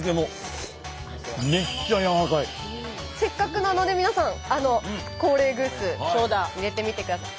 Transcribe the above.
せっかくなので皆さんコーレーグース入れてみてください。